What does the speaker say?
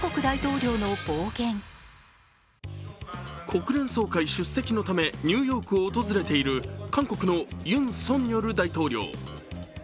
国連総会出席のためニューヨークを訪れている韓国のユン・ソンニョル大統領。